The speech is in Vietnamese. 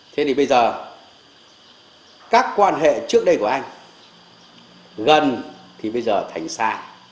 thế thì bây giờ các quan hệ trước đây của anh gần thì bây giờ thành xa